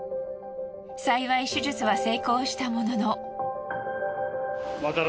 幸い手術は成功したものの。